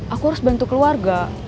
aku harus bantu keluarga